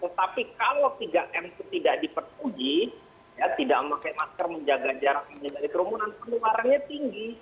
tetapi kalau tiga m itu tidak diperuji tidak memakai masker menjaga jarak menghindari kerumunan penularannya tinggi